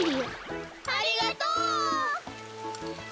ありがとう！